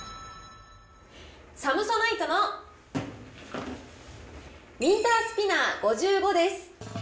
サムソナイトのミンタースピナー５５です。